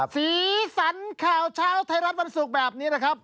สีสันข่าวเช้าไทยรัฐวันศุกร์แบบนี้นะครับ